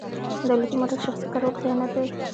دولتي موټر شخصي کارول خیانت دی.